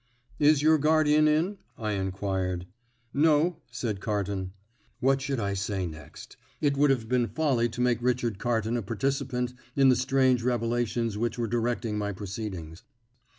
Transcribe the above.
"Is your guardian in?" I inquired. "No," said Carton. What should I say next? It would have been folly to make Richard Carton a participant in the strange revelations which were directing my proceedings.